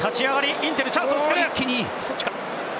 インテル、チャンスを作る。